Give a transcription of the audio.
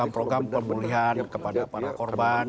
ada program program pemulihan kepada para korban